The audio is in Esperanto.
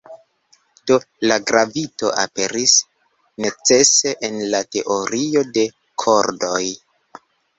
Do, la gravito aperis "necese" en la teorio de kordoj.